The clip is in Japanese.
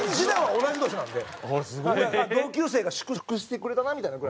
同級生が祝福してくれたなみたいなぐらいで。